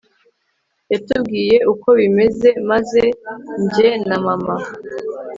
yatubwiye uko bimeze maze njye na mama